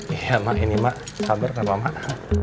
iya mak ini mak sabar sama mak